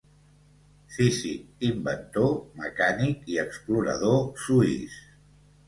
Físic, inventor, mecànic i explorador suís.